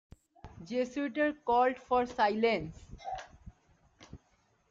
Jesuiter called for silence.